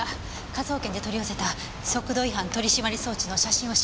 科捜研で取り寄せた速度違反取締装置の写真を調べ。